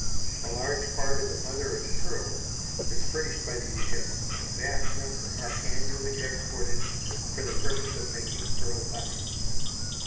A large part of the mother of pearl is furnished by these shells and a vast number are annually exported for the purpose of making pearl buttons.